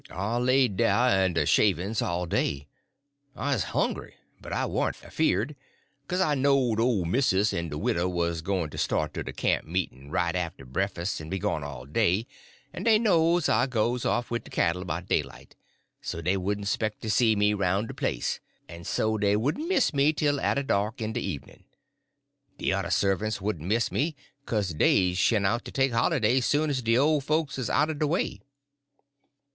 "I laid dah under de shavin's all day. I 'uz hungry, but I warn't afeard; bekase I knowed ole missus en de widder wuz goin' to start to de camp meet'n' right arter breakfas' en be gone all day, en dey knows I goes off wid de cattle 'bout daylight, so dey wouldn' 'spec to see me roun' de place, en so dey wouldn' miss me tell arter dark in de evenin'. De yuther servants wouldn' miss me, kase dey'd shin out en take holiday soon as de ole folks 'uz out'n de way.